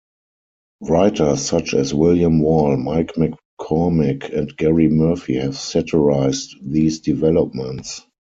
Writers such as William Wall, Mike McCormick, and Gerry Murphy have satirised these developments.